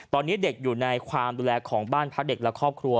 ตอนนี้เด็กอยู่ในความดูแลของบ้านพักเด็กและครอบครัว